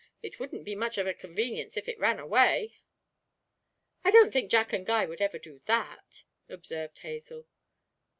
'It wouldn't be much of a convenience if it ran away.' 'I don't think Jack and Guy would ever do that,' observed Hazel.